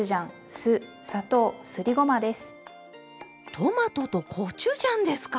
トマトとコチュジャンですか？